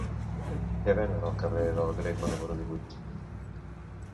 Què venen al carrer del Greco número divuit?